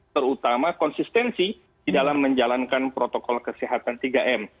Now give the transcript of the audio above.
terutama konsistensi di dalam menjalankan protokol kesehatan tiga m